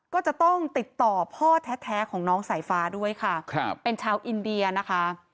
ก็จะต้องติดต่อพ่อแท้ของน้องสายฟ้าด้วยค่ะครับเป็นชาวอินเดียนะคะ